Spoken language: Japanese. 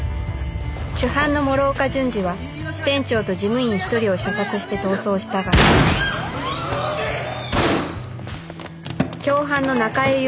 主犯の諸岡順次は支店長と事務員一人を射殺して逃走したが共犯の中江雄